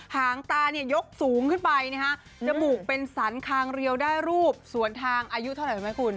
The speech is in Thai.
หางตายกสูงขึ้นไปนะฮะจมูกเป็นสันคางเรียวได้รูปสวนทางอายุเท่าไหร่รู้ไหมคุณ